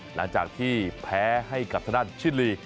หลังจากที่แพ้ให้กับทางด้านชิลี